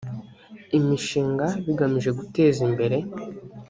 imishinga bigamije guteza imbere